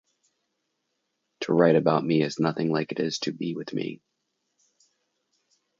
To write about me is nothing like it is to be with me.